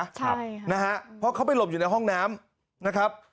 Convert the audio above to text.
ใช่นะฮะเพราะเขาไปหลบอยู่ในห้องน้ำนะครับ